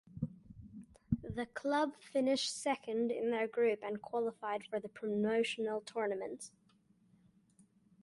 The club finished second in their group and qualified for the promotional tournament.